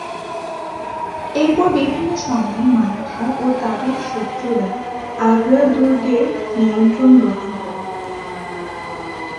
এরপর বিভিন্ন সময়ে মারাঠা ও তাদের শত্রুরা আগ্রা দুর্গের নিয়ন্ত্রণ গ্রহণ করে।